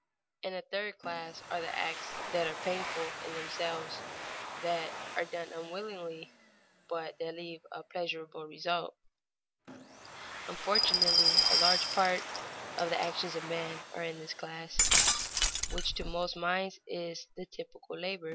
[Sidenote: Labor as sacrifice] In a third class are the acts that are painful in themselves, that are done unwillingly, but that leave a pleasurable result. Unfortunately a large part of the actions of men are of this class, which to most minds is the typical labor.